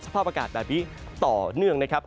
สภาพอากาศแบบนี้ต่อเนื่องนะครับ